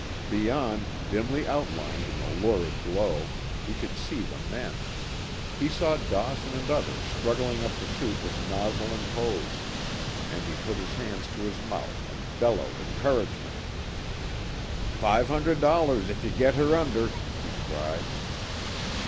Beyond, dimly outlined in the lurid glow, he could see the men. He saw Dawson and others struggling up the shoot with nozzle and hose, and he put his hands to his mouth and bellowed encouragement. "Five hundred dollars if you get her under!" he cried.